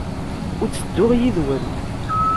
Ur ttedduɣ yid-wen.